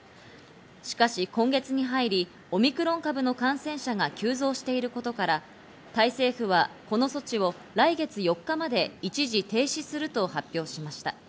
しかし今月に入り、オミクロン株の感染者が急増していることから、タイ政府はこの措置を来月４日まで一時停止すると発表しました。